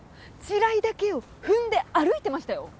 地雷だけを踏んで歩いてましたよ。